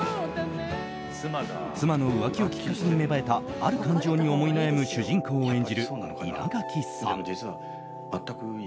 妻の浮気をきっかけに芽生えたある感情に思い悩む主人公を演じる稲垣さん。